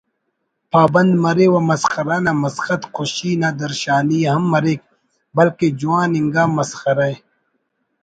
پابند مرے و مسخرہ نا مسخت خوشی نا درشانی ہم مریک بلکہ جوان انگا مسخرہ